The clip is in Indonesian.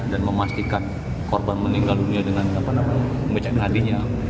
dan memastikan korban meninggal dunia dengan meja ngadinya